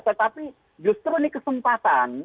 tetapi justru ini kesempatan